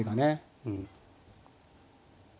うん。